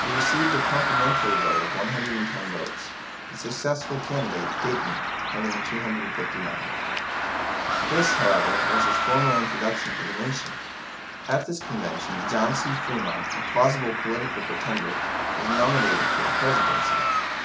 He received a complimentary vote of 110 votes, the successful candidate, Dayton, having 259. This, however, was his formal introduction to the nation. At this convention, John C. Fremont, a plausible political pretender, was nominated for the Presidency.